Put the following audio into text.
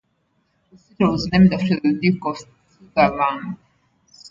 The city was named after the Duke of Sutherland.